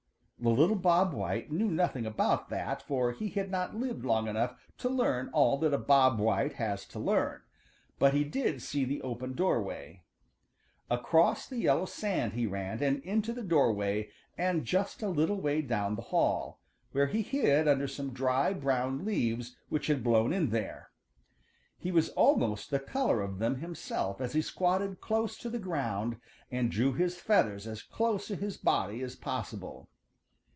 The little Bob White knew nothing about that, for he had not lived long enough to learn all that a Bob White has to learn, but he did see the open doorway. Across the yellow sand he ran and into the doorway and just a little way down the hall, where he hid under some dry, brown leaves which had blown in there. He was almost the color of them himself as he squatted close to the ground and drew his feathers as close to his body as possible.